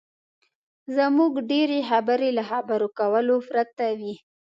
زموږ ډېرې خبرې له خبرو کولو پرته وي.